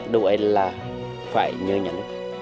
đâu ấy là phải nhớ nhắn